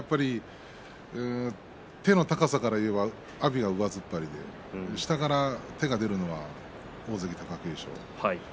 手の高さからいうと阿炎は上突っ張り下から手が出るのは大関貴景勝。